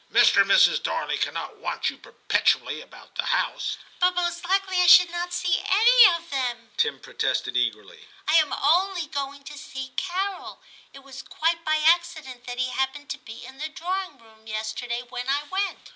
' Mr. and Mrs. Darley cannot want you perpetually about the house.' * But most likely I should not see any of them,' Tim protested eagerly. * I am only going to see Carol ; it was quite by accident that he happened to be in the drawing room yesterday when I went.' 206 TIM CHAP.